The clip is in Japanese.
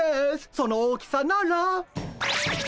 その大きさなら。